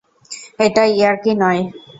এটা ইয়ার্কি নয়।